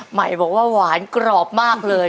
ใหม่บอกว่าหวานกรอบมากเลย